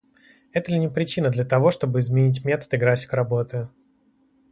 Это ли не причина для того, чтобы изменить метод и график работы?